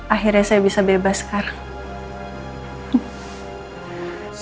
akhirnya saya bisa bebas sekarang